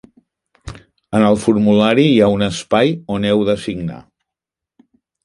En el formulari hi ha un espai on heu de signar.